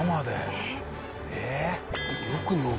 えっ！？